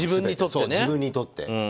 自分にとって。